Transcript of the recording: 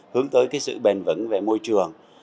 hướng tới cái sự bền vững về môi trường